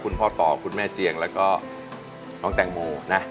พ่อต่อคุณแม่เจียงแล้วก็น้องแตงโมนะ